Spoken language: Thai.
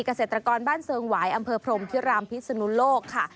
เกษตรกรบ้านเซิงหวายอำเภอพรมพิรามพิศนุโลกค่ะ